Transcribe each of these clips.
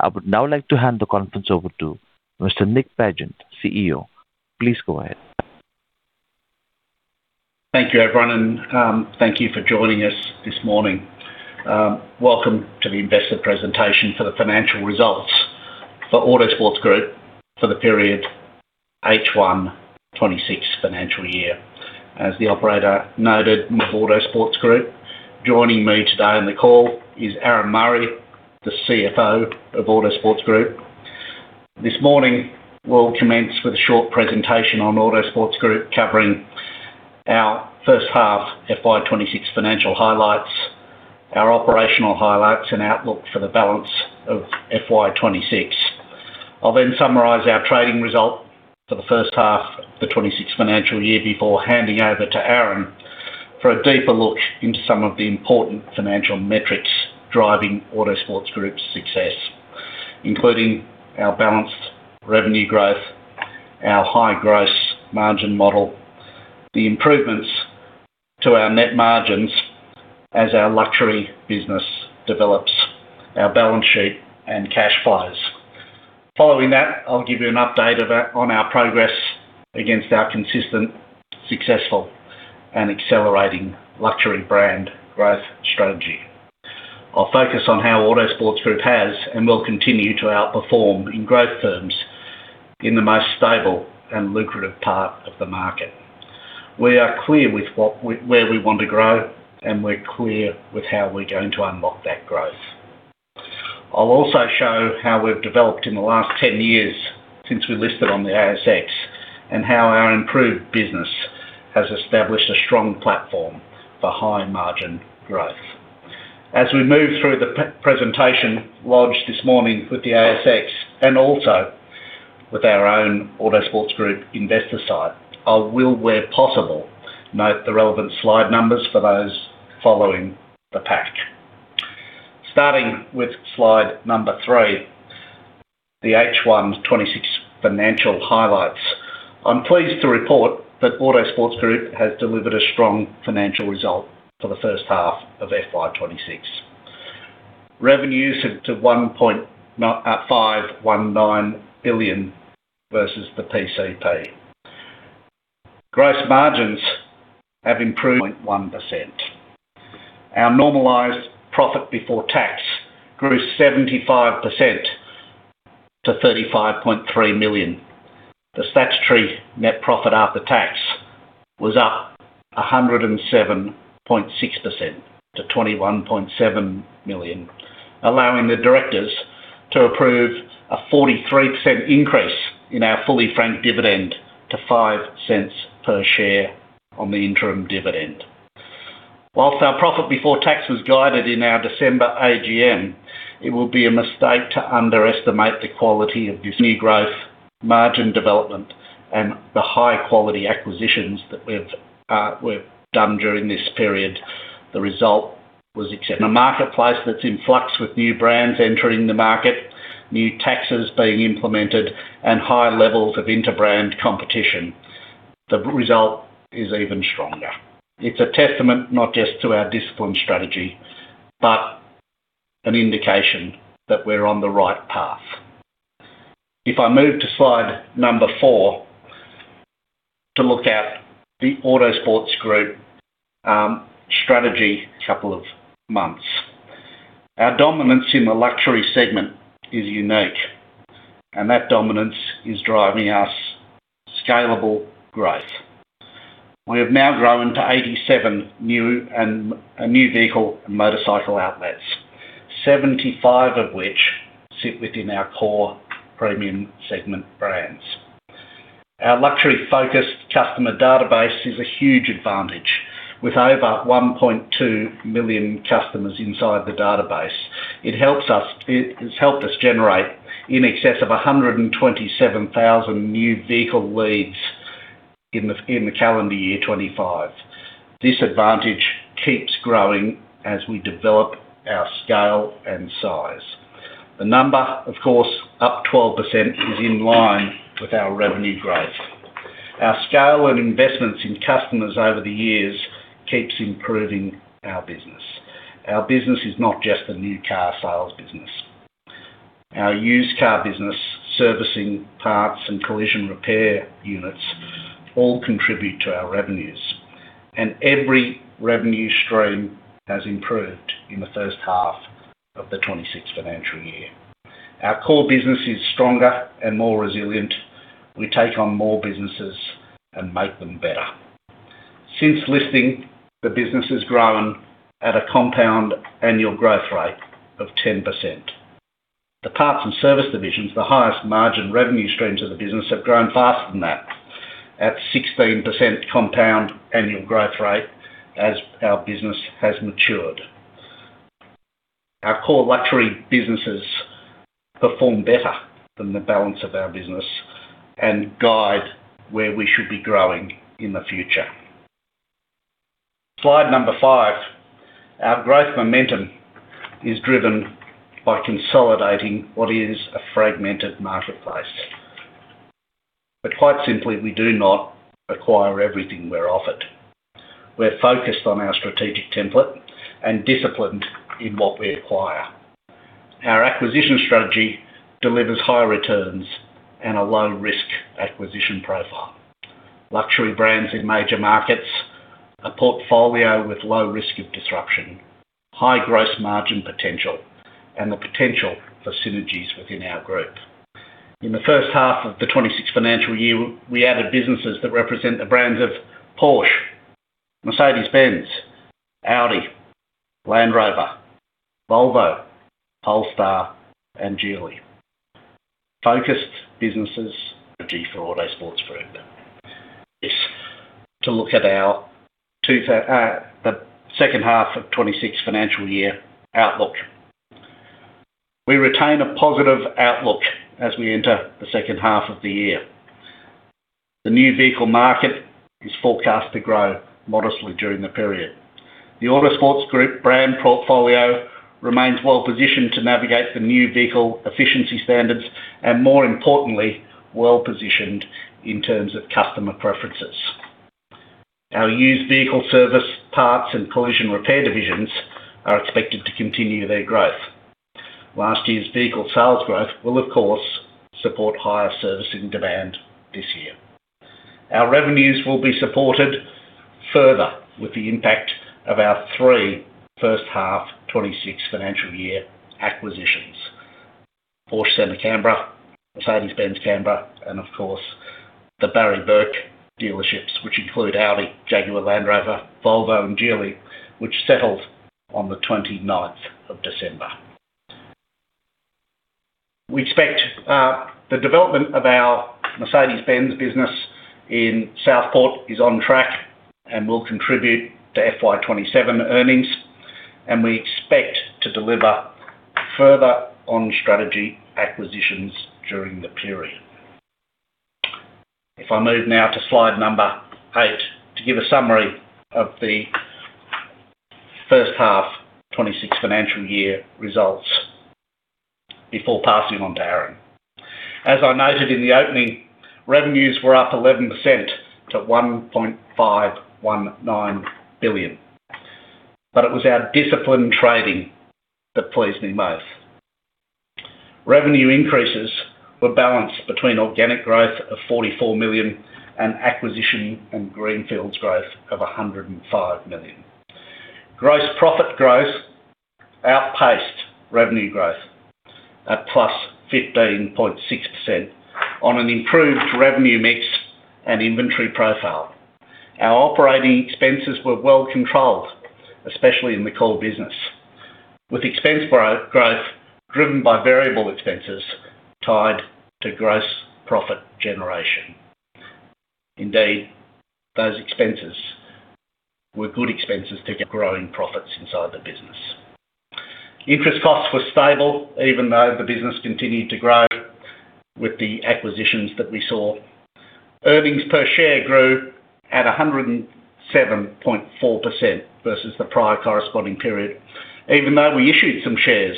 I would now like to hand the conference over to Mr. Nick Pagent, CEO. Please go ahead. Thank you, everyone, and, thank you for joining us this morning. Welcome to the Investor Presentations for the Financial Results for Autosports Group for the Period H1 2026 Financial Year. As the operator noted, I'm from Autosports Group. Joining me today on the call is Aaron Murray, the CFO of Autosports Group. This morning, we'll commence with a short presentation on Autosports Group, covering our first half FY 2026 financial highlights, our operational highlights, and outlook for the balance of FY 2026. I'll then summarize our trading result for the first half of the 2026 financial year before handing over to Aaron for a deeper look into some of the important financial metrics driving Autosports Group's success, including our balanced revenue growth, our high gross margin model, the improvements to our net margins as our luxury business develops, our balance sheet, and cash flows. Following that, I'll give you an update about our progress against our consistent, successful, and accelerating luxury brand growth strategy. I'll focus on how Autosports Group has and will continue to outperform in growth terms in the most stable and lucrative part of the market. We are clear with where we want to grow, and we're clear with how we're going to unlock that growth. I'll also show how we've developed in the last 10 years since we listed on the ASX, and how our improved business has established a strong platform for high-margin growth. As we move through the presentation lodged this morning with the ASX and also with our own Autosports Group investor site, I will, where possible, note the relevant slide numbers for those following the pack. Starting with slide number three, the H1 2026 financial highlights. I'm pleased to report that Autosports Group has delivered a strong financial result for the first half of FY 2026. Revenues to 1.519 billion versus the PCP. Gross margins have improved 0.1%. Our normalized profit before tax grew 75% to 35.3 million. The statutory net profit after tax was up 107.6% to 21.7 million, allowing the directors to approve a 43% increase in our fully franked dividend to 0.05 per share on the interim dividend. While our profit before tax was guided in our December AGM, it would be a mistake to underestimate the quality of this new growth, margin development, and the high-quality acquisitions that we've done during this period. The result was—in a marketplace that's in flux, with new brands entering the market, new taxes being implemented, and higher levels of inter-brand competition, the result is even stronger. It's a testament not just to our discipline strategy, but an indication that we're on the right path. If I move to slide number four, to look at the Autosports Group, strategy couple of months. Our dominance in the luxury segment is unique, and that dominance is driving us scalable growth. We have now grown to 87 new vehicle and motorcycle outlets, 75 of which sit within our core premium segment brands. Our luxury-focused customer database is a huge advantage, with over 1.2 million customers inside the database. It helps us- it has helped us generate in excess of 127,000 new vehicle leads in the calendar year 2025. This advantage keeps growing as we develop our scale and size. The number, of course, up 12%, is in line with our revenue growth. Our scale and investments in customers over the years keeps improving our business. Our business is not just a new car sales business. Our used car business, servicing parts and collision repair units, all contribute to our revenues, and every revenue stream has improved in the first half of the 2026 financial year. Our core business is stronger and more resilient. We take on more businesses and make them better. Since listing, the business has grown at a compound annual growth rate of 10%. The parts and service divisions, the highest margin revenue streams of the business, have grown faster than that, at 16% compound annual growth rate as our business has matured. Our core luxury businesses perform better than the balance of our business and guide where we should be growing in the future. Slide number five. Our growth momentum is driven by consolidating what is a fragmented marketplace. But quite simply, we do not acquire everything we're offered. We're focused on our strategic template and disciplined in what we acquire. Our acquisition strategy delivers high returns and a low-risk acquisition profile. Luxury brands in major markets, a portfolio with low risk of disruption, high gross margin potential, and the potential for synergies within our group. In the first half of the 2026 financial year, we added businesses that represent the brands of Porsche, Mercedes-Benz, Audi, Land Rover, Volvo, Polestar, and Geely. Focused businesses for Autosports Group. If to look at the second half of 2026 financial year outlook. We retain a positive outlook as we enter the second half of the year. The new vehicle market is forecast to grow modestly during the period. The Autosports Group brand portfolio remains well-positioned to navigate the new vehicle efficiency standards, and more importantly, well-positioned in terms of customer preferences. Our used vehicle service, parts, and collision repair divisions are expected to continue their growth. Last year's vehicle sales growth will, of course, support higher servicing demand this year. Our revenues will be supported further with the impact of our three first-half, 2026 financial year acquisitions: Porsche Centre Canberra, Mercedes-Benz Canberra, and of course, the Barry Bourke dealerships, which include Audi, Jaguar Land Rover, Volvo, and Geely, which settled on the 29th of December. We expect the development of our Mercedes-Benz business in Southport is on track and will contribute to FY 2027 earnings, and we expect to deliver further on strategy acquisitions during the period. If I move now to slide number eight, to give a summary of the first half, 2026 financial year results before passing on to Aaron. As I noted in the opening, revenues were up 11% to 1.519 billion. But it was our disciplined trading that pleased me most. Revenue increases were balanced between organic growth of 44 million and acquisition and greenfields growth of 105 million. Gross profit growth outpaced revenue growth at +15.6% on an improved revenue mix and inventory profile. Our operating expenses were well controlled, especially in the core business, with expense growth driven by variable expenses tied to gross profit generation. Indeed, those expenses were good expenses to get growing profits inside the business. Interest costs were stable, even though the business continued to grow with the acquisitions that we saw. Earnings per share grew at 107.4% versus the prior corresponding period, even though we issued some shares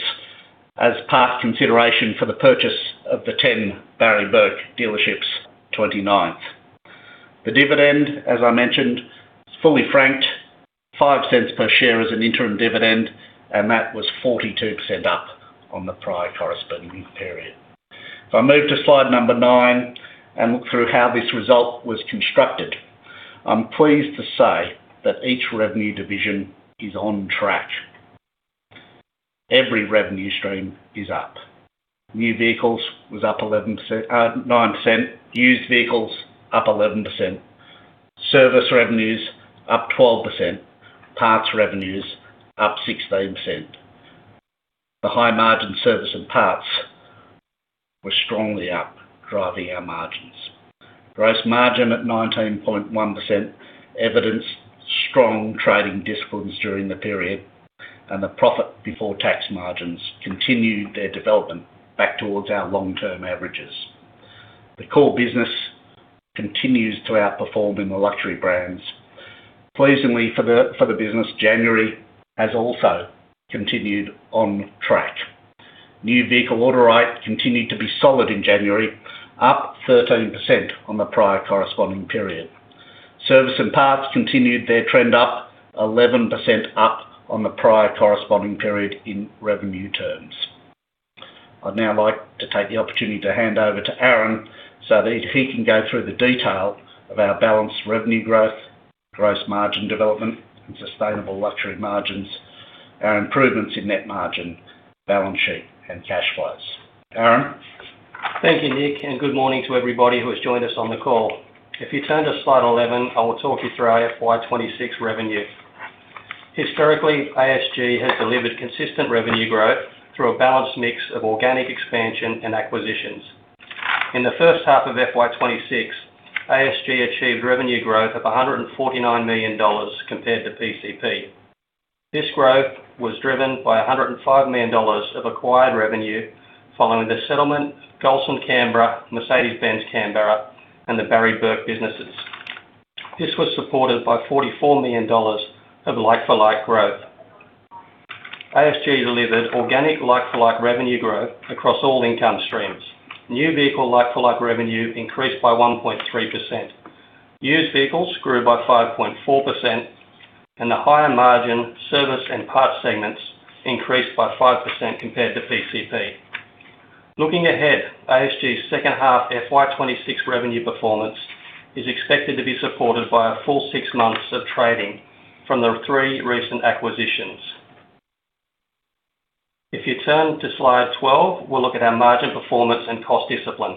as part consideration for the purchase of the 10 Barry Bourke dealerships, 29th. The dividend, as I mentioned, is fully franked, 0.05 per share as an interim dividend, and that was 42% up on the prior corresponding period. If I move to slide number nine and look through how this result was constructed, I'm pleased to say that each revenue division is on track. Every revenue stream is up. New vehicles was up 9%, used vehicles up 11%, service revenues up 12%, parts revenues up 16%. The high-margin service and parts were strongly up, driving our margins. Gross margin at 19.1% evidenced strong trading disciplines during the period, and the profit before tax margins continued their development back towards our long-term averages. The core business continues to outperform in the luxury brands. Pleasingly for the, for the business, January has also continued on track. New vehicle order rate continued to be solid in January, up 13% on the prior corresponding period. Service and parts continued their trend up, 11% up on the prior corresponding period in revenue terms. I'd now like to take the opportunity to hand over to Aaron, so that he can go through the detail of our balanced revenue growth, gross margin development, and sustainable luxury margins, our improvements in net margin, balance sheet, and cash flows. Aaron? Thank you, Nick, and good morning to everybody who has joined us on the call. If you turn to slide 11, I will talk you through our FY 2026 revenue. Historically, ASG has delivered consistent revenue growth through a balanced mix of organic expansion and acquisitions. In the first half of FY 2026, ASG achieved revenue growth of 149 million dollars compared to PCP. This growth was driven by 105 million dollars of acquired revenue following the settlement of Gulson Canberra, Mercedes-Benz Canberra, and the Barry Bourke businesses. This was supported by 44 million dollars of like-for-like growth. ASG delivered organic like-for-like revenue growth across all income streams. New vehicle like-for-like revenue increased by 1.3%. Used vehicles grew by 5.4%, and the higher margin service and parts segments increased by 5% compared to PCP. Looking ahead, ASG's second half FY 2026 revenue performance is expected to be supported by a full six months of trading from the three recent acquisitions. If you turn to slide 12, we'll look at our margin performance and cost discipline.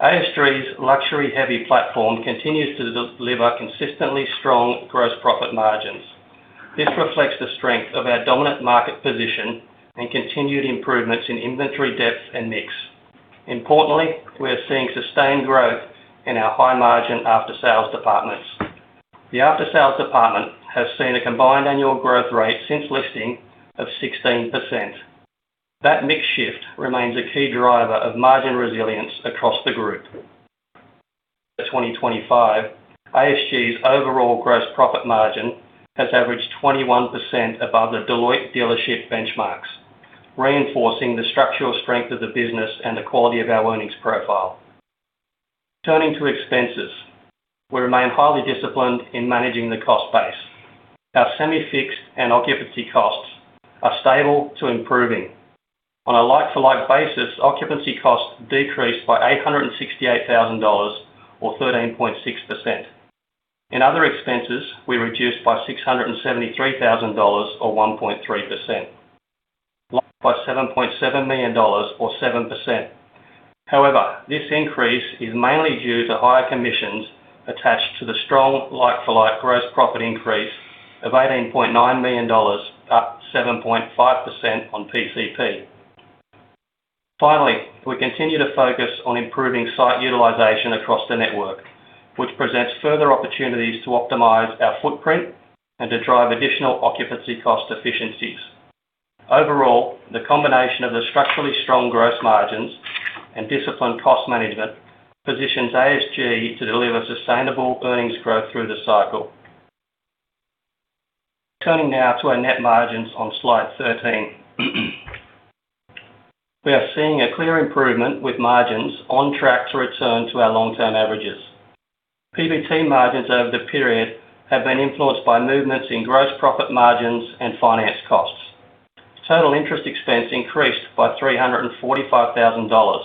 ASG's luxury-heavy platform continues to deliver consistently strong gross profit margins. This reflects the strength of our dominant market position and continued improvements in inventory depth and mix. Importantly, we are seeing sustained growth in our high-margin after-sales departments. The after-sales department has seen a combined annual growth rate since listing of 16%. That mix shift remains a key driver of margin resilience across the group. For 2025, ASG's overall gross profit margin has averaged 21% above the Deloitte dealership benchmarks, reinforcing the structural strength of the business and the quality of our earnings profile. Turning to expenses, we remain highly disciplined in managing the cost base. Our semi-fixed and occupancy costs are stable to improving. On a like-for-like basis, occupancy costs decreased by 868,000 dollars, or 13.6%. In other expenses, we reduced by 673,000 dollars, or 1.3%, by 7.7 million dollars, or 7%. However, this increase is mainly due to higher commissions attached to the strong like-for-like gross profit increase of 18.9 million dollars, up 7.5% on PCP. Finally, we continue to focus on improving site utilization across the network, which presents further opportunities to optimize our footprint and to drive additional occupancy cost efficiencies. Overall, the combination of the structurally strong gross margins and disciplined cost management positions ASG to deliver sustainable earnings growth through the cycle. Turning now to our net margins on slide 13. We are seeing a clear improvement, with margins on track to return to our long-term averages. PBT margins over the period have been influenced by movements in gross profit margins and finance costs. Total interest expense increased by 345,000 dollars.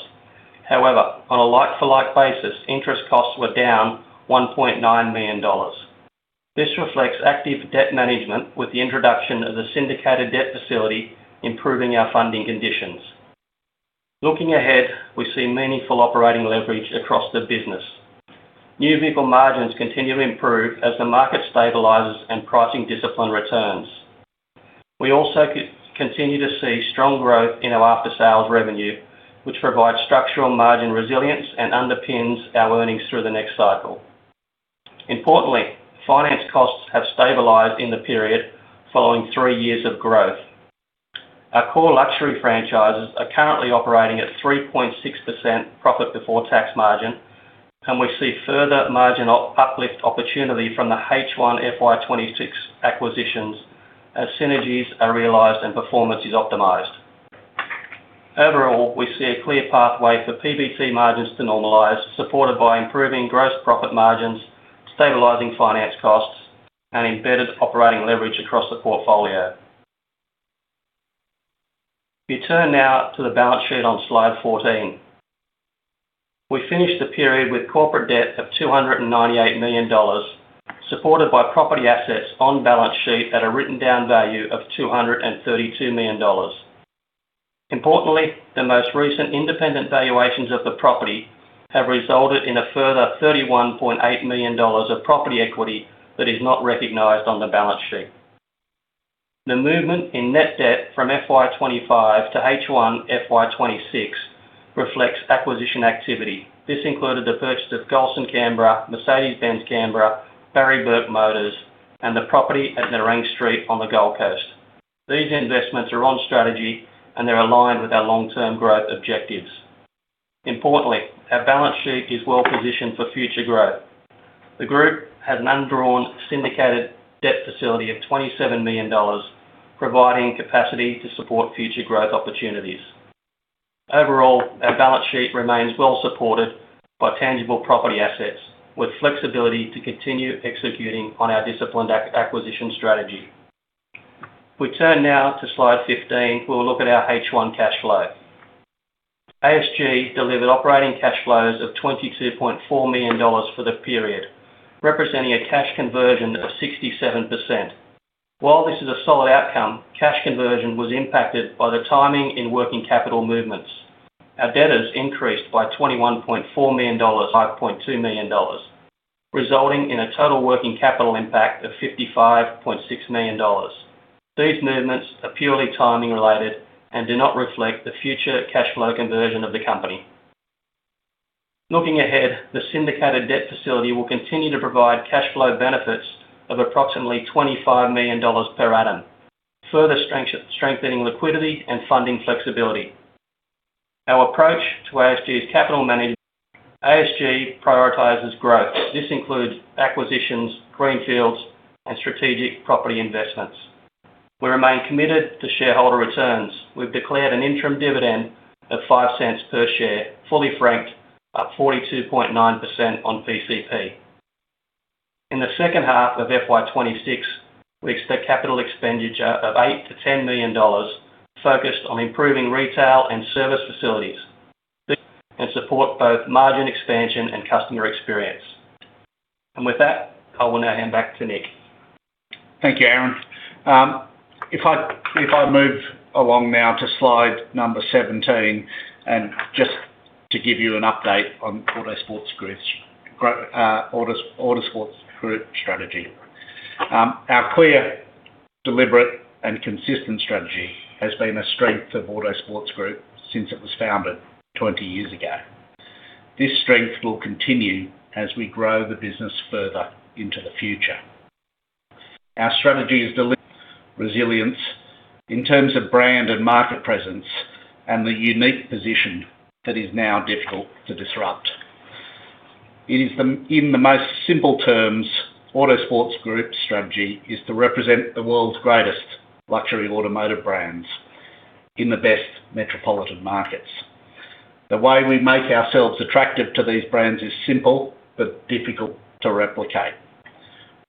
However, on a like-for-like basis, interest costs were down 1.9 million dollars. This reflects active debt management, with the introduction of the syndicated debt facility, improving our funding conditions. Looking ahead, we see meaningful operating leverage across the business. New vehicle margins continue to improve as the market stabilizes and pricing discipline returns. We also continue to see strong growth in our after-sales revenue, which provides structural margin resilience and underpins our earnings through the next cycle. Importantly, finance costs have stabilized in the period following three years of growth. Our core luxury franchises are currently operating at 3.6% profit before tax margin, and we see further margin up- uplift opportunity from the H1 FY 2026 acquisitions as synergies are realized and performance is optimized. Overall, we see a clear pathway for PBT margins to normalize, supported by improving gross profit margins, stabilizing finance costs, and embedded operating leverage across the portfolio. We turn now to the balance sheet on slide 14. We finished the period with corporate debt of 298 million dollars, supported by property assets on balance sheet at a written-down value of 232 million dollars. Importantly, the most recent independent valuations of the property have resulted in a further 31.8 million dollars of property equity that is not recognized on the balance sheet. The movement in net debt from FY 2025 to H1 FY 2026 reflects acquisition activity. This included the purchase of Gulson Canberra, Mercedes-Benz Canberra, Barry Bourke Motors, and the property at Nerang Street on the Gold Coast. These investments are on strategy, and they're aligned with our long-term growth objectives. Importantly, our balance sheet is well positioned for future growth. The group has an undrawn syndicated debt facility of 27 million dollars, providing capacity to support future growth opportunities. Overall, our balance sheet remains well supported by tangible property assets, with flexibility to continue executing on our disciplined acquisition strategy. We turn now to slide 15. We'll look at our H1 cash flow. ASG delivered operating cash flows of 22.4 million dollars for the period, representing a cash conversion of 67%. While this is a solid outcome, cash conversion was impacted by the timing in working capital movements. Our debtors increased by 21.4 million dollars, 5.2 million dollars, resulting in a total working capital impact of 55.6 million dollars. These movements are purely timing related and do not reflect the future cash flow conversion of the company. Looking ahead, the syndicated debt facility will continue to provide cash flow benefits of approximately 25 million dollars per annum, further strengthening liquidity and funding flexibility. Our approach to ASG's capital management, ASG prioritizes growth. This includes acquisitions, greenfields, and strategic property investments. We remain committed to shareholder returns. We've declared an interim dividend of 0.05 per share, fully franked at 42.9% on PCP. In the second half of FY 2026, we expect capital expenditure of 8 million-10 million dollars, focused on improving retail and service facilities, and support both margin expansion and customer experience. With that, I will now hand back to Nick. Thank you, Aaron. If I move along now to slide number 17, and just to give you an update on Autosports Group's growth—Autosports Group strategy. Our clear, deliberate, and consistent strategy has been a strength of Autosports Group since it was founded 20 years ago. This strength will continue as we grow the business further into the future. Our strategy is delivering resilience in terms of brand and market presence, and the unique position that is now difficult to disrupt. It is the in the most simple terms, Autosports Group's strategy is to represent the world's greatest luxury automotive brands in the best metropolitan markets. The way we make ourselves attractive to these brands is simple, but difficult to replicate.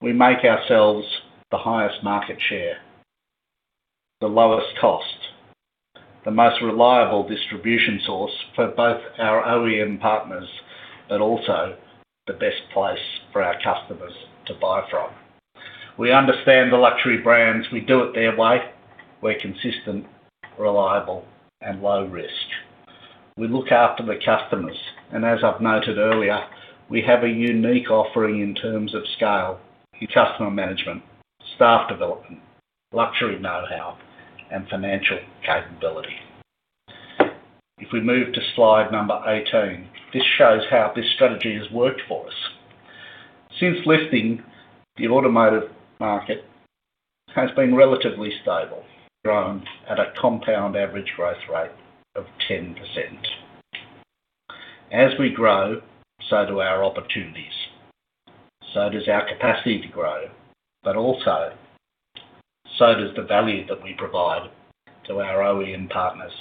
We make ourselves the highest market share, the lowest cost, the most reliable distribution source for both our OEM partners, and also the best place for our customers to buy from. We understand the luxury brands. We do it their way. We're consistent, reliable, and low risk. We look after the customers, and as I've noted earlier, we have a unique offering in terms of scale, customer management, staff development, luxury know-how, and financial capability. If we move to slide number 18, this shows how this strategy has worked for us. Since listing, the automotive market has been relatively stable, grown at a compound average growth rate of 10%. As we grow, so do our opportunities, so does our capacity to grow, but also, so does the value that we provide to our OEM partners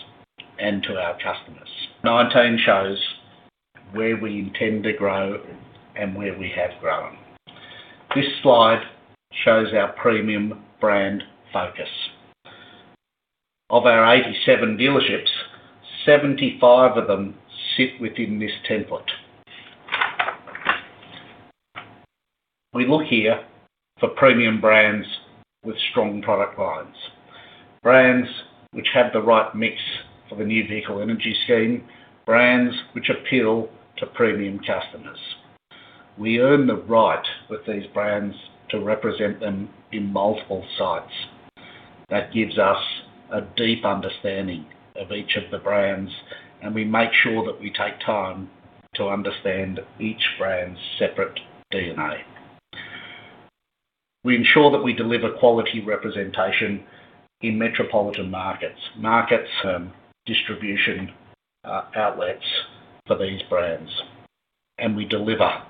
and to our customers. Slide 19 shows where we intend to grow and where we have grown. This slide shows our premium brand focus. Of our 87 dealerships, 75 of them sit within this template. We look here for premium brands with strong product lines, brands which have the right mix for the New Vehicle Energy Standard, brands which appeal to premium customers. We earn the right with these brands to represent them in multiple sites. That gives us a deep understanding of each of the brands, and we make sure that we take time to understand each brand's separate DNA. We ensure that we deliver quality representation in metropolitan markets, distribution outlets for these brands, and we deliver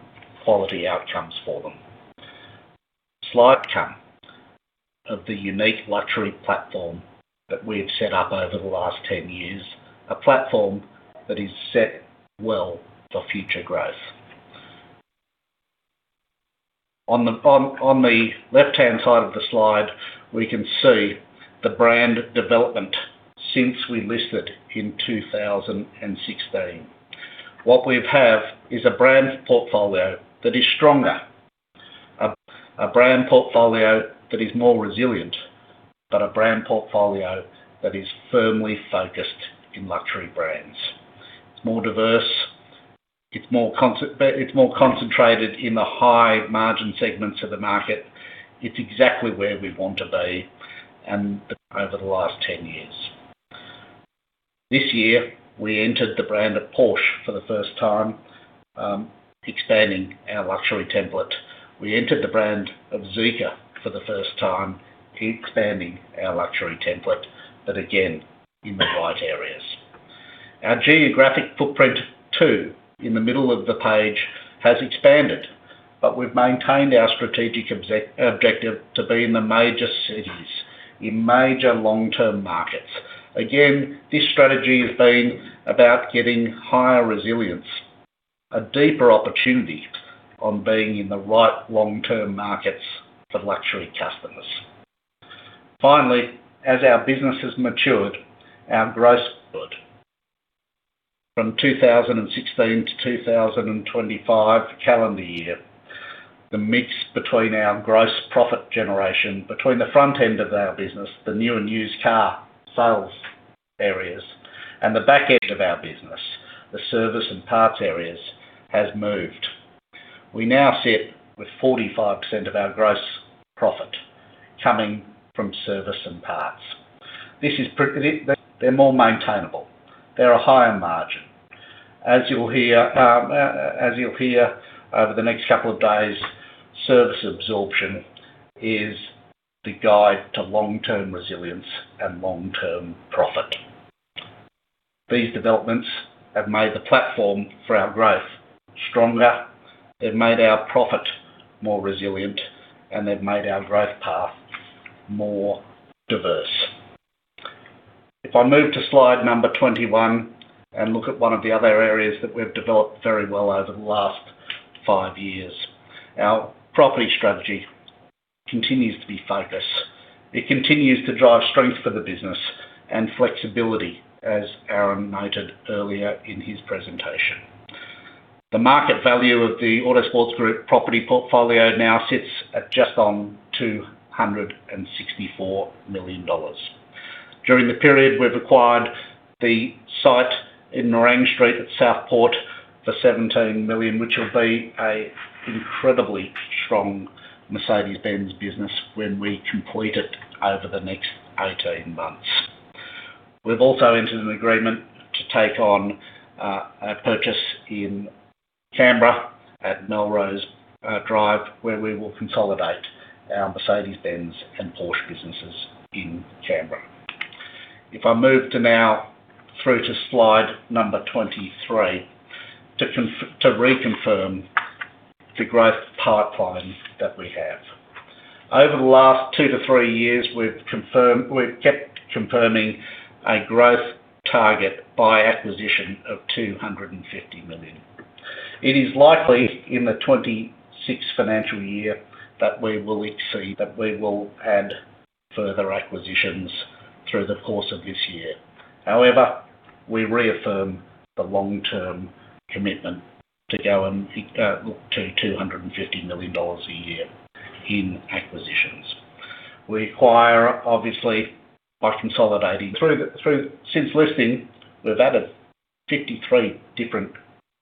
quality outcomes for them. Slide 10 of the unique luxury platform that we've set up over the last 10 years, a platform that is set well for future growth. On the left-hand side of the slide, we can see the brand development since we listed in 2016. What we have is a brand portfolio that is stronger, a brand portfolio that is more resilient, but a brand portfolio that is firmly focused in luxury brands. It's more diverse, it's more concentrated in the high margin segments of the market. It's exactly where we want to be and over the last 10 years. This year, we entered the brand of Porsche for the first time, expanding our luxury template. We entered the brand of Zeekr for the first time, expanding our luxury template, but again, in the right areas. Our geographic footprint, too, in the middle of the page, has expanded, but we've maintained our strategic objective to be in the major cities, in major long-term markets. Again, this strategy has been about getting higher resilience, a deeper opportunity on being in the right long-term markets for luxury customers. Finally, as our business has matured. [inaudible] From 2016 to 2025 calendar year, the mix between our gross profit generation, between the front end of our business, the new and used car sales areas, and the back end of our business, the service and parts areas, has moved. We now sit with 45% of our gross profit coming from service and parts. This is—they're more maintainable. They're a higher margin. As you'll hear over the next couple of days, service absorption is the guide to long-term resilience and long-term profit. These developments have made the platform for our growth stronger, it made our profit more resilient, and they've made our growth path more diverse. If I move to slide number 21, and look at one of the other areas that we've developed very well over the last five years, our property strategy continues to be focused. It continues to drive strength for the business and flexibility, as Aaron noted earlier in his presentation. The market value of the Autosports Group property portfolio now sits at just on 264 million dollars. During the period, we've acquired the site in Nerang Street at Southport for 17 million, which will be a incredibly strong Mercedes-Benz business when we complete it over the next 18 months. We've also entered an agreement to take on a purchase in Canberra at Melrose Drive, where we will consolidate our Mercedes-Benz and Porsche businesses in Canberra. If I move to now through to slide number 23, to reconfirm the growth pipeline that we have. Over the last two to three years, we've kept confirming a growth target by acquisition of 250 million. It is likely in the 2026 financial year that we will exceed, that we will add further acquisitions through the course of this year. However, we reaffirm the long-term commitment to go and look to 250 million dollars a year in acquisitions. We acquire, obviously, by consolidating. Since listing, we've added 53 different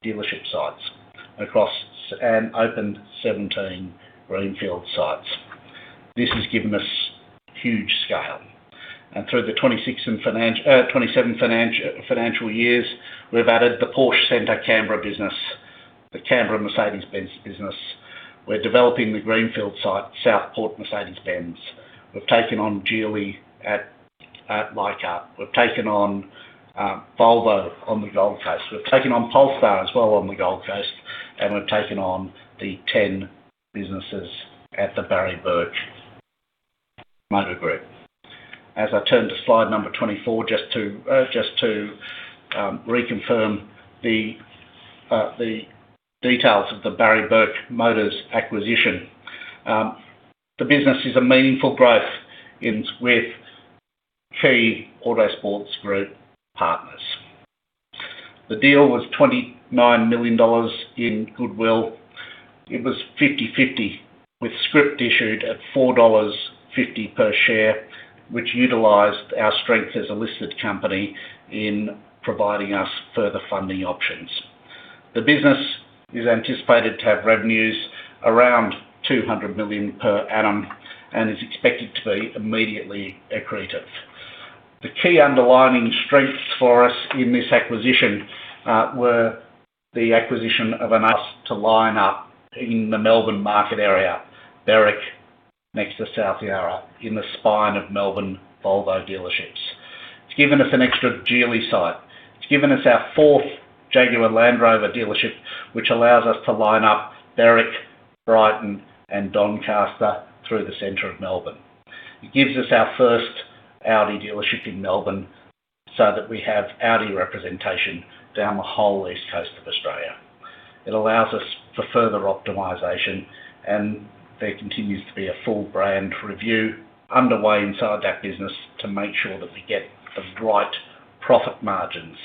dealership sites across and opened 17 greenfield sites. This has given us huge scale, and through the 2026–2027 financial years, we've added the Porsche Centre Canberra business, the Canberra Mercedes-Benz business. We're developing the greenfield site, Southport Mercedes-Benz. We've taken on Geely at Leichhardt. We've taken on Volvo on the Gold Coast. We've taken on Polestar as well on the Gold Coast, and we've taken on the 10 businesses at the Barry Bourke Motor Group. As I turn to slide number 24, just to reconfirm the details of the Barry Bourke Motors acquisition. The business is a meaningful growth in, with key Autosports Group partners. The deal was 29 million dollars in goodwill. It was 50/50, with scrip issued at 4.50 dollars per share, which utilized our strength as a listed company in providing us further funding options. The business is anticipated to have revenues around 200 million per annum and is expected to be immediately accretive. The key underlying strengths for us in this acquisition were the acquisition of Audi to line up in the Melbourne market area, Berwick, next to South Yarra, in the spine of Melbourne Volvo dealerships. It's given us an extra Geely site. It's given us our fourth Jaguar Land Rover dealership, which allows us to line up Berwick, Brighton, and Doncaster through the center of Melbourne. It gives us our first Audi dealership in Melbourne, so that we have Audi representation down the whole east coast of Australia. It allows us for further optimization, and there continues to be a full brand review underway inside that business to make sure that we get the right profit margins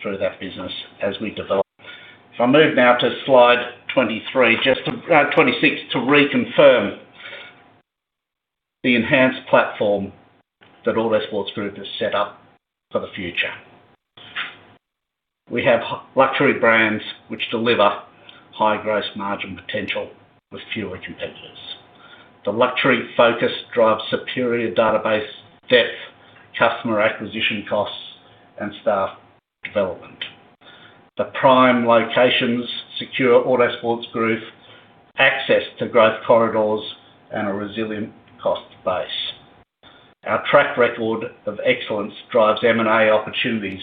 through that business as we develop. If I move now to slide 23, just to—26, to reconfirm the enhanced platform that Autosports Group has set up for the future. We have luxury brands which deliver high gross margin potential with fewer competitors. The luxury focus drives superior database depth, customer acquisition costs, and staff development. The prime locations secure Autosports Group access to growth corridors and a resilient cost base. Our track record of excellence drives M&A opportunities.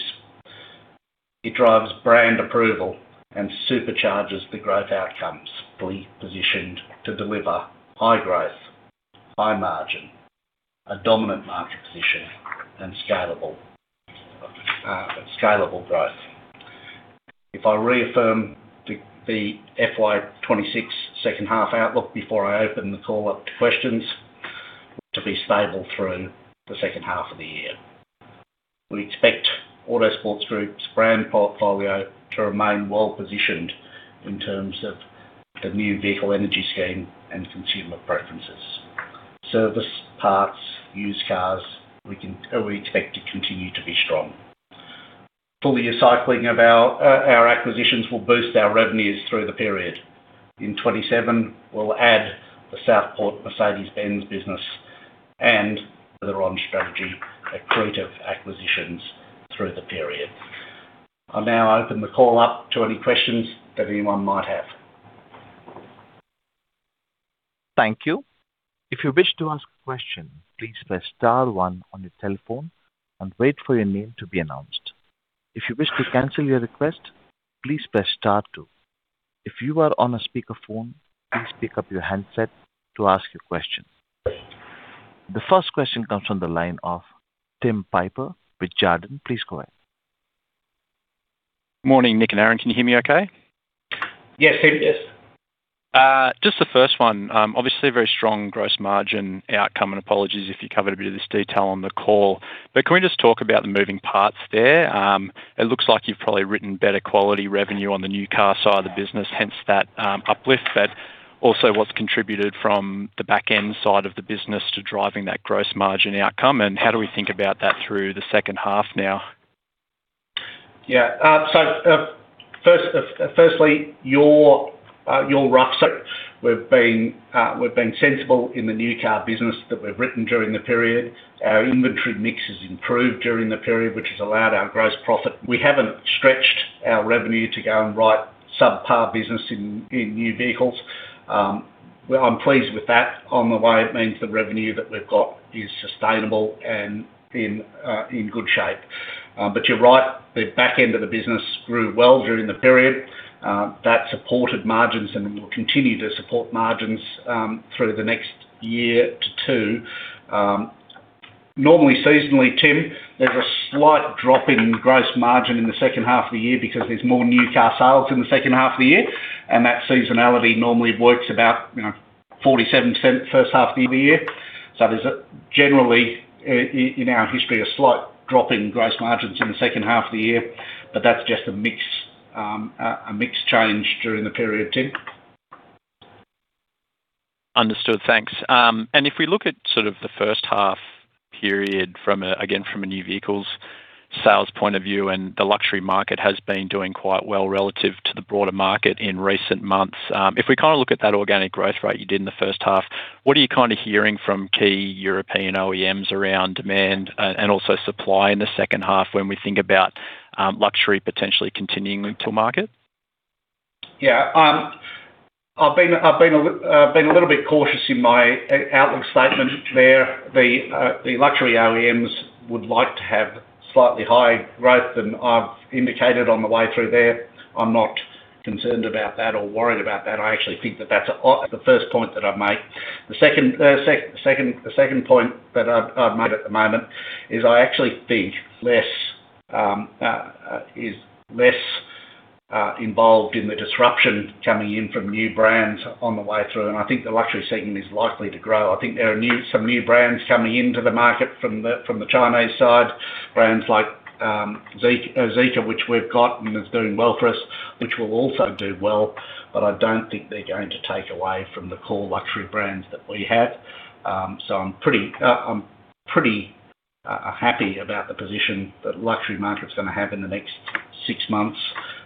It drives brand approval and supercharges the growth outcomes. We're positioned to deliver high growth, high margin, a dominant market position, and scalable growth. If I reaffirm the FY 2026 second half outlook before I open the call up to questions, to be stable through the second half of the year. We expect Autosports Group's brand portfolio to remain well-positioned in terms of the New Vehicle Efficiency Standard and consumer preferences. Service, parts, used cars, we expect to continue to be strong. Full year cycling of our, our acquisitions will boost our revenues through the period. In 2027, we'll add the Southport Mercedes-Benz business—and the [strong] strategy, accretive acquisitions through the period. I'll now open the call up to any questions that anyone might have. Thank you. If you wish to ask a question, please press star one on your telephone and wait for your name to be announced. If you wish to cancel your request, please press star two. If you are on a speakerphone, please pick up your handset to ask your question. The first question comes from the line of Tim Piper with Jarden. Please go ahead. Morning, Nick and Aaron, can you hear me okay? Yes, Tim. Yes. Just the first one, obviously, a very strong gross margin outcome, and apologies if you covered a bit of this detail on the call, but can we just talk about the moving parts there? It looks like you've probably written better quality revenue on the new car side of the business, hence that uplift, but also what's contributed from the back-end side of the business to driving that gross margin outcome, and how do we think about that through the second half now? Yeah. So, first, firstly, your rough set, we've been sensible in the new car business that we've written during the period. Our inventory mix has improved during the period, which has allowed our gross profit. We haven't stretched our revenue to go and write subpar business in new vehicles. Well, I'm pleased with that. On the way, it means the revenue that we've got is sustainable and in good shape. But you're right, the back end of the business grew well during the period. That supported margins and will continue to support margins through the next year to two. Normally, seasonally, Tim, there's a slight drop in gross margin in the second half of the year because there's more new car sales in the second half of the year, and that seasonality normally works about, you know, 47% first half of the year. So there's generally, in our history, a slight drop in gross margins in the second half of the year, but that's just a mix, a mix change during the period, Tim. Understood. Thanks. And if we look at sort of the first half period again, from a new vehicles sales point of view, and the luxury market has been doing quite well relative to the broader market in recent months. If we kind of look at that organic growth rate you did in the first half, what are you kind of hearing from key European OEMs around demand and also supply in the second half when we think about luxury potentially continuing to market? Yeah, I've been a little bit cautious in my outlook statement there. The luxury OEMs would like to have slightly higher growth than I've indicated on the way through there. I'm not concerned about that or worried about that. I actually think that's the first point that I've made. The second point that I've made at the moment is I actually think less is, less involved in the disruption coming in from new brands on the way through, and I think the luxury segment is likely to grow. I think there are some new brands coming into the market from the Chinese side, brands like Zeekr, which we've got, and it's doing well for us, which will also do well, but I don't think they're going to take away from the core luxury brands that we have. I'm pretty, I'm pretty happy about the position that luxury market's gonna have in the next six months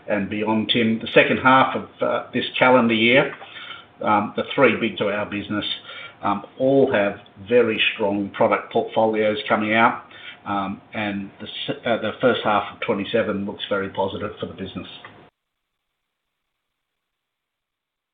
and beyond, Tim. The second half of this calendar year, the three big to our business all have very strong product portfolios coming out, and the first half of 2027 looks very positive for the business.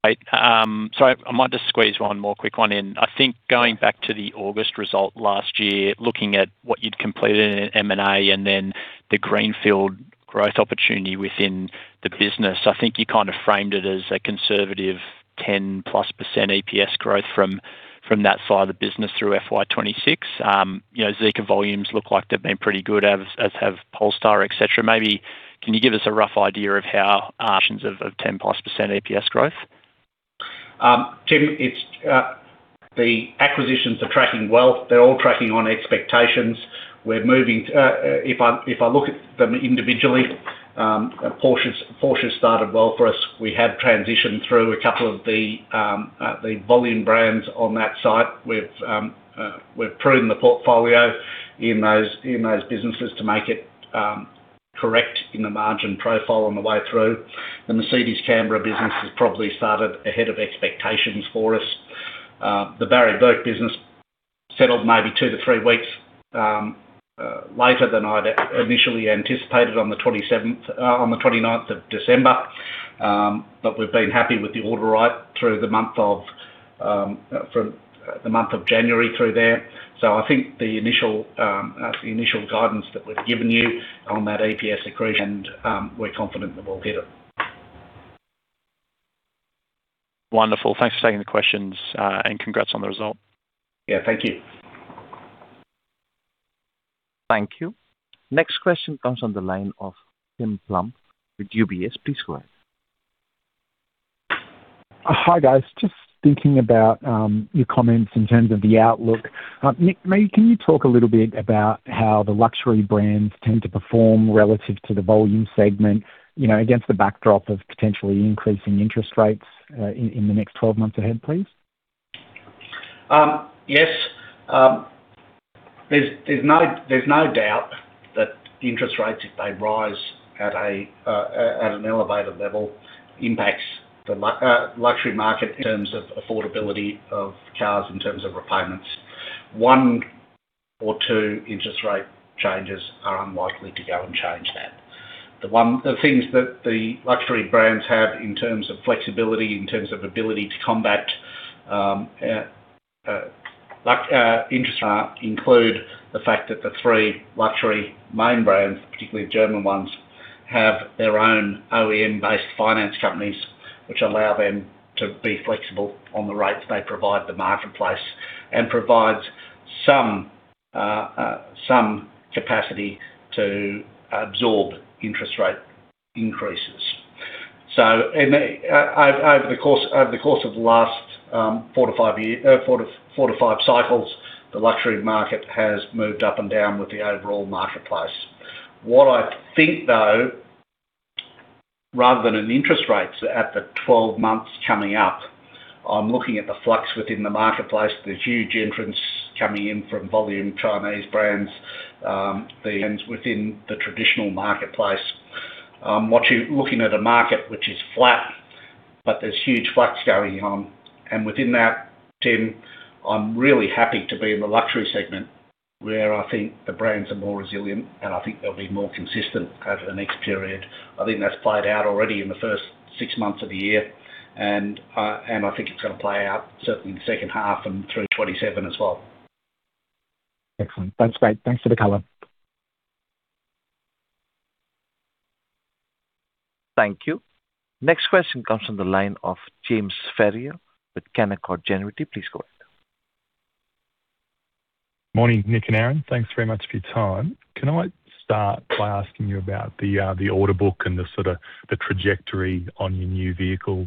Great. So I might just squeeze one more quick one in. I think going back to the August result last year, looking at what you'd completed in M&A and then the greenfield growth opportunity within the business, I think you kind of framed it as a conservative 10%+ EPS growth from, from that side of the business through FY 2026. You know, Zeekr volumes look like they've been pretty good, as have Polestar, et cetera. Maybe can you give us a rough idea of how actions of 10%+ EPS growth? Tim, it's the acquisitions are tracking well. They're all tracking on expectations. We're moving. If I look at them individually, Porsche has started well for us. We have transitioned through a couple of the volume brands on that site. We've proven the portfolio in those businesses to make it correct in the margin profile on the way through. The Mercedes Canberra business has probably started ahead of expectations for us. The Barry Bourke business settled maybe two to three weeks later than I'd initially anticipated on the 29th of December. But we've been happy with the order right through from the month of January through there. So I think the initial guidance that we've given you on that EPS accretion, we're confident that we'll hit it. Wonderful. Thanks for taking the questions, and congrats on the result. Yeah, thank you. Thank you. Next question comes on the line of Tim Plumbe with UBS. Please go ahead. Hi, guys. Just thinking about your comments in terms of the outlook. Nick, maybe can you talk a little bit about how the luxury brands tend to perform relative to the volume segment, you know, against the backdrop of potentially increasing interest rates in the next 12 months ahead, please? Yes, there's no doubt that interest rates, if they rise at an elevated level, impacts the luxury market in terms of affordability of cars, in terms of repayments. One or two interest rate changes are unlikely to go and change that. The things that the luxury brands have in terms of flexibility, in terms of ability to combat like interest rate, include the fact that the three luxury main brands, particularly the German ones, have their own OEM-based finance companies, which allow them to be flexible on the rates they provide the marketplace, and provides some capacity to absorb interest rate increases. So in over the course of the last four to five cycles, the luxury market has moved up and down with the overall marketplace. What I think, though, rather than in interest rates at the 12 months coming up, I'm looking at the flux within the marketplace. There's huge entrants coming in from volume Chinese brands, the ends within the traditional marketplace. I'm looking at a market which is flat, but there's huge flux going on. And within that, Tim, I'm really happy to be in the luxury segment, where I think the brands are more resilient, and I think they'll be more consistent over the next period. I think that's played out already in the first six months of the year, and I think it's going to play out certainly in the second half and through 2027 as well. Excellent. That's great. Thanks for the color. Thank you. Next question comes from the line of James Ferrier with Canaccord Genuity. Please go ahead. Morning, Nick and Aaron. Thanks very much for your time. Can I start by asking you about the order book and the sort of the trajectory on your new vehicle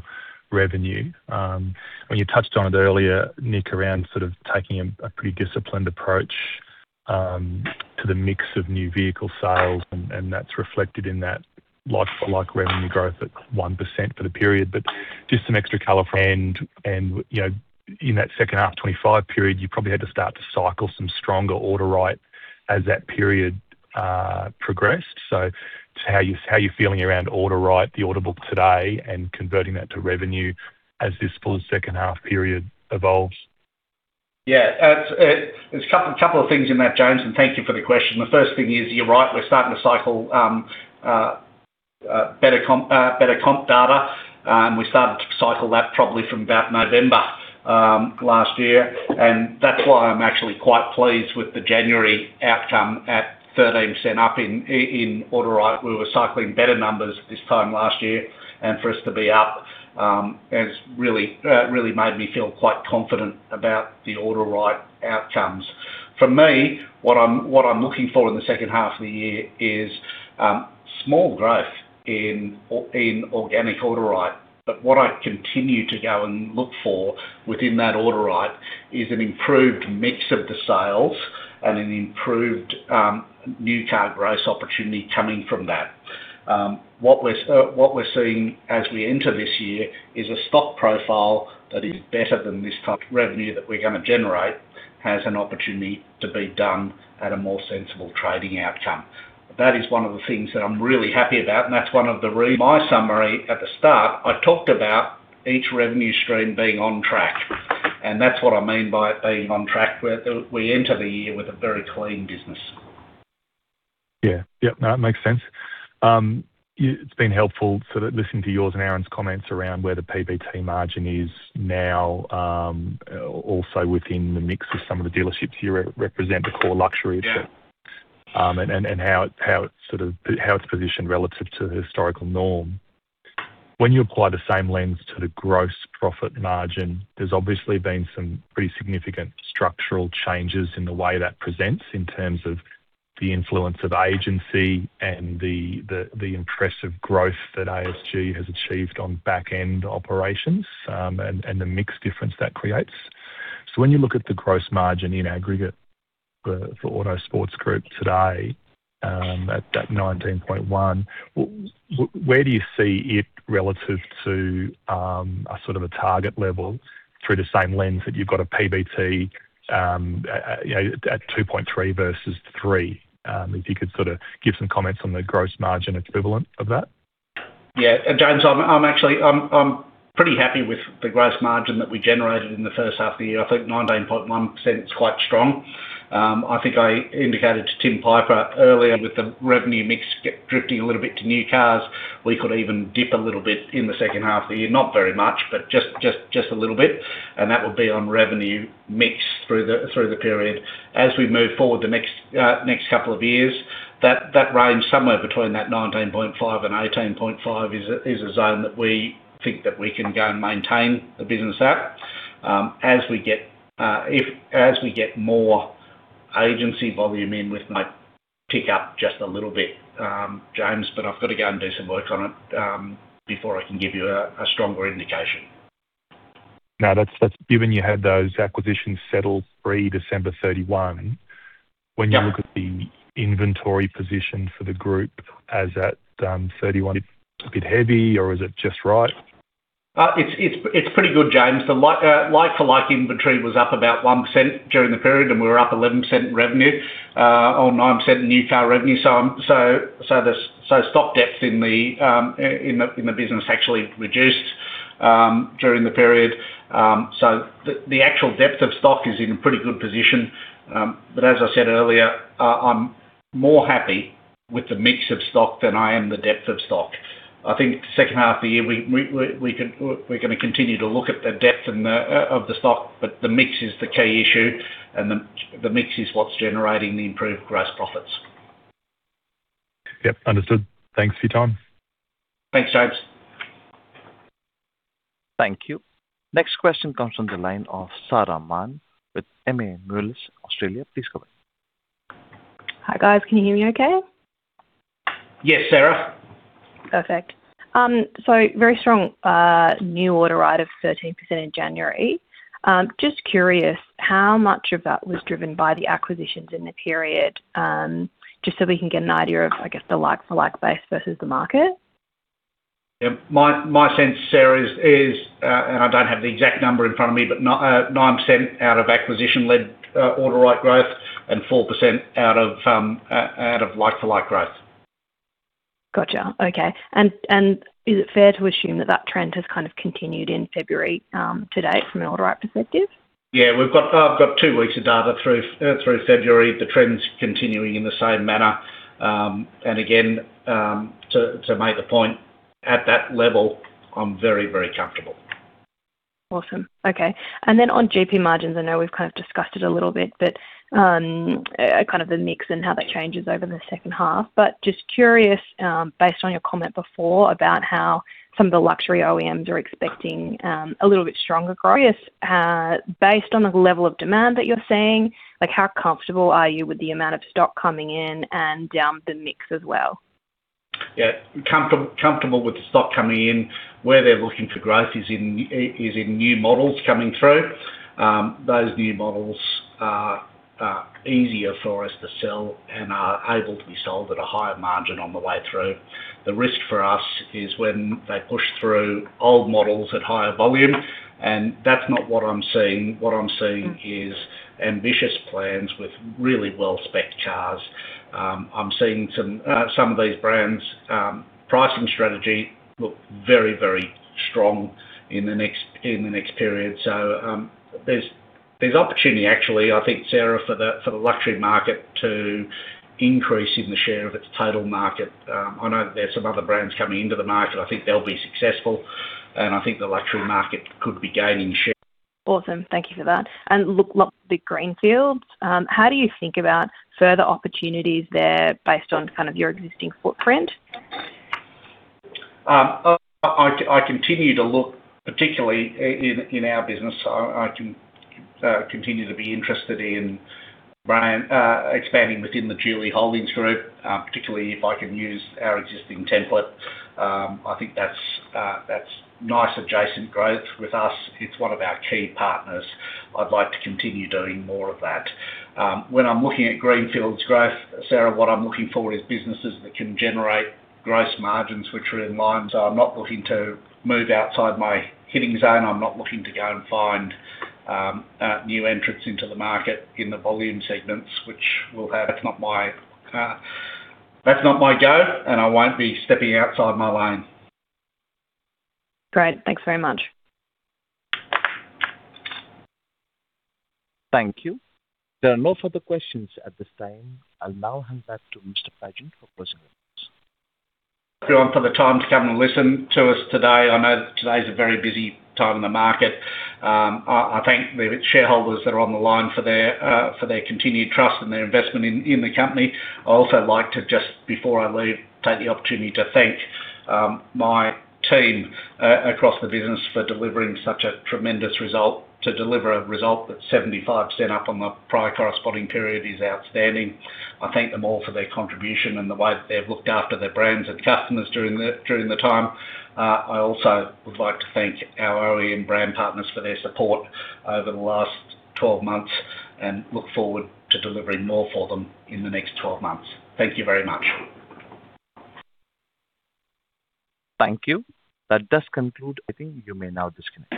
revenue? And you touched on it earlier, Nick, around sort of taking a pretty disciplined approach to the mix of new vehicle sales, and that's reflected in that like-for-like revenue growth at 1% for the period. But just some extra color from end, and you know, in that second half of 2025 period, you probably had to start to cycle some stronger order right as that period progressed. So just how are you, how are you feeling around order right, the order book today, and converting that to revenue as this full second half period evolves? Yeah, there's a couple of things in that, James, and thank you for the question. The first thing is, you're right. We're starting to cycle better comp, better comp data. We started to cycle that probably from about November last year, and that's why I'm actually quite pleased with the January outcome at 13% up in order, right? We were cycling better numbers this time last year, and for us to be up has really, really made me feel quite confident about the order right outcomes. For me, what I'm looking for in the second half of the year is small growth in organic order, right? But what I continue to go and look for within that order, right? Is an improved mix of the sales and an improved new car growth opportunity coming from that. What we're what we're seeing as we enter this year is a stock profile that is better than this type of revenue that we're going to generate, has an opportunity to be done at a more sensible trading outcome. That is one of the things that I'm really happy about, and that's one of the—my summary at the start, I talked about each revenue stream being on track, and that's what I mean by it being on track. We we enter the year with a very clean business. Yeah. Yep, no, it makes sense. It's been helpful sort of listening to yours and Aaron's comments around where the PBT margin is now, also within the mix of some of the dealerships you represent, the core luxury. Yeah. And how it's sort of, how it's positioned relative to the historical norm. When you apply the same lens to the gross profit margin, there's obviously been some pretty significant structural changes in the way that presents in terms of the influence of agency and the impressive growth that ASG has achieved on back-end operations, and the mix difference that creates. When you look at the gross margin in aggregate for Autosports Group today, at that 19.1%, where do you see it relative to a sort of a target level through the same lens that you've got a PBT, you know, at 2.3% versus 3%? If you could sort of give some comments on the gross margin equivalent of that. Yeah. James, I'm actually pretty happy with the gross margin that we generated in the first half of the year. I think 19.1% is quite strong. I think I indicated to Tim Piper earlier, with the revenue mix getting drifting a little bit to new cars, we could even dip a little bit in the second half of the year. Not very much, but just a little bit, and that will be on revenue mix through the period. As we move forward, the next couple of years, that range, somewhere between that 19.5% and 18.5% is a zone that we think that we can go and maintain the business at. As we get, if as we get more agency volume in with might pick up just a little bit, James, but I've got to go and do some work on it before I can give you a stronger indication. Now, that's, that's given you had those acquisitions settled pre-December 31. When you look at the inventory position for the group as at 31, it's a bit heavy or is it just right? It's pretty good, James. The like-for-like inventory was up about 1% during the period, and we were up 11% in revenue, or 9% in new car revenue. The stock depth in the business actually reduced during the period. The actual depth of stock is in a pretty good position. As I said earlier, I'm more happy with the mix of stock than I am the depth of stock. I think second half of the year, we can—we're gonna continue to look at the depth of the stock, but the mix is the key issue, and the mix is what's generating the improved gross profits. Yep, understood. Thanks for your time. Thanks, James. Thank you. Next question comes from the line of Sarah Mann with MA Moelis Australia. Please go ahead. Hi, guys. Can you hear me okay? Yes, Sarah. Perfect. So very strong new order rate of 13% in January. Just curious, how much of that was driven by the acquisitions in the period? Just so we can get an idea of, I guess, the like-for-like base versus the market. Yeah. My sense, Sarah, is, and I don't have the exact number in front of me, but 9% out of acquisition-led order rate growth and 4% out of like-for-like growth. Gotcha. Okay. And is it fair to assume that that trend has kind of continued in February, to date, from an order write perspective? Yeah, we've got, I've got two weeks of data through February. The trend's continuing in the same manner. And again, to make the point, at that level, I'm very, very comfortable. Awesome. Okay. And then on GP margins, I know we've kind of discussed it a little bit, but, kind of the mix and how that changes over the second half. But just curious, based on your comment before about how some of the luxury OEMs are expecting, a little bit stronger growth. Based on the level of demand that you're seeing, like, how comfortable are you with the amount of stock coming in and, the mix as well? Yeah. Comfortable with the stock coming in. Where they're looking for growth is in new models coming through. Those new models are easier for us to sell and are able to be sold at a higher margin on the way through. The risk for us is when they push through old models at higher volume, and that's not what I'm seeing. What I'm seeing is ambitious plans with really well-specced cars. I'm seeing some of these brands' pricing strategy look very, very strong in the next period. So, there's opportunity, actually, I think, Sarah, for the luxury market to increase in the share of its total market. I know there are some other brands coming into the market. I think they'll be successful, and I think the luxury market could be gaining share. Awesome. Thank you for that. And look, the greenfields, how do you think about further opportunities there based on kind of your existing footprint? I continue to look, particularly in our business, so I continue to be interested in brand—expanding within the Geely Holding Group, particularly if I can use our existing template. I think that's nice adjacent growth with us. It's one of our key partners. I'd like to continue doing more of that. When I'm looking at greenfield growth, Sarah, what I'm looking for is businesses that can generate gross margins which are in line. So I'm not looking to move outside my hitting zone. I'm not looking to go and find new entrants into the market in the volume segments, which will have—that’s not my go, and I won't be stepping outside my lane. Great. Thanks very much. Thank you. There are no further questions at this time. I'll now hand back to Mr. Pagent for closing remarks. Everyone, for the time to come and listen to us today. I know that today is a very busy time in the market. I thank the shareholders that are on the line for their continued trust and their investment in the company. I also like to, just before I leave, take the opportunity to thank my team across the business for delivering such a tremendous result. To deliver a result that's 75% up on the prior corresponding period is outstanding. I thank them all for their contribution and the way that they've looked after their brands and customers during the time. I also would like to thank our OEM brand partners for their support over the last 12 months, and look forward to delivering more for them in the next 12 months. Thank you very much. Thank you. That does conclude. I think you may now disconnect.